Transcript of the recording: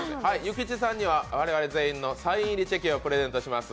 諭吉さんには我々全員のチェキをプレゼントします。